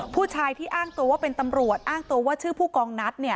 ผู้ชายที่อ้างตัวว่าเป็นตำรวจอ้างตัวว่าชื่อผู้กองนัด